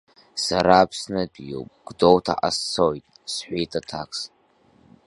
Сара Аԥснытәиуп, Гәдоуҭаҟа сцоит, — сҳәеит аҭакс.